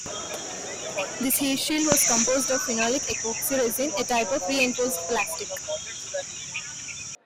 This heat shield was composed of phenolic epoxy resin, a type of reinforced plastic.